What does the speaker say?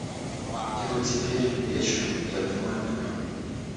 И вот теперь, вечером, я думаю о нем.